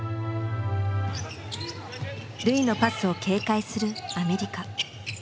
瑠唯のパスを警戒するアメリカ。